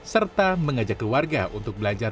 serta mengajak keluarga untuk belajar